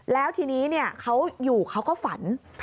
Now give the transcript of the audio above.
แล้วทีนี้เขาอยู่เขาก็ฝัน